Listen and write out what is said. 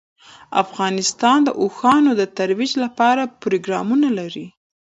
افغانستان د اوښانو د ترویج لپاره پروګرامونه لري.